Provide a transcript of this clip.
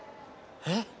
えっ？